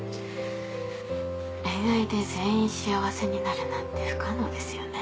恋愛で全員幸せになるなんて不可能ですよね。